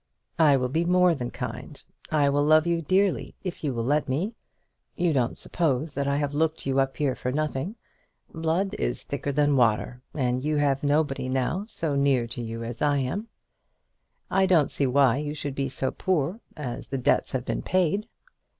"I will be more than kind; I will love you dearly if you will let me. You don't suppose that I have looked you up here for nothing. Blood is thicker than water, and you have nobody now so near to you as I am. I don't see why you should be so poor, as the debts have been paid."